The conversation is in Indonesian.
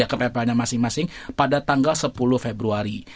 ya ke pplnnya masing masing pada tanggal sepuluh februari